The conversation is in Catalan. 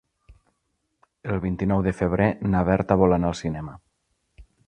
El vint-i-nou de febrer na Berta vol anar al cinema.